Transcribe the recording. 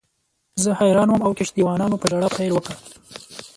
زه حیران وم او کښتۍ وانانو په ژړا پیل وکړ.